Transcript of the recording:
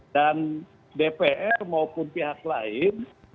dan dpr maupun pihak lain